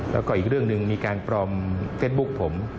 แล้วก็อีกเรื่องหนึ่งมีการปลอมเฟสบุ๊คผม